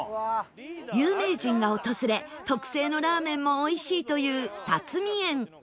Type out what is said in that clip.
有名人が訪れ特製のラーメンもおいしいというタツミエン